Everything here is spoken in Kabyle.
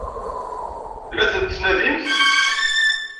La tent-tettnadimt?